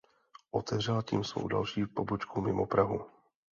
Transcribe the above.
Otevřela tím svou další pobočku mimo Prahu.